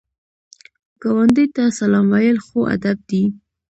ګاونډي ته سلام ویل ښو ادب دی